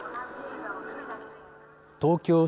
東京